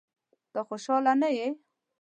ته خوشاله نه یې؟